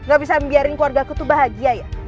gak bisa membiarin keluarga aku tuh bahagia ya